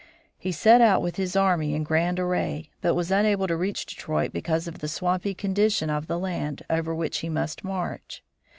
He set out with his army in grand array, but was unable to reach Detroit because of the swampy condition of the land over which he must march.